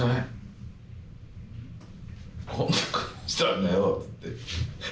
「こんな顔してたんだよ」っつって。